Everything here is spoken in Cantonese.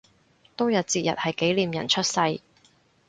都有節日係紀念人出世